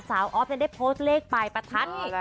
สาวออฟจะได้โพสต์เลขประทัด